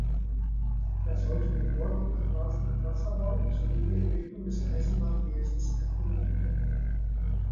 Er sollte den dortigen Straßen- und Wasserbau sowie die Entwicklung des Eisenbahnwesens erkunden.